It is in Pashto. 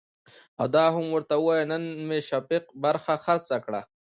او دا هم ورته وايه نن مې شفيق برخه خرڅه کړه .